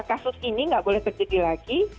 kasus ini nggak boleh terjadi lagi